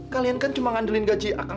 kalian hanya mengandalkan gaji saya